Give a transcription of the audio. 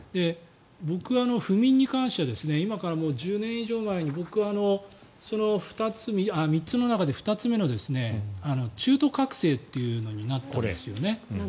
僕は不眠に関しては今から１０年以上も前に僕、３つの中で２つ目の中途覚醒というのになったんですね。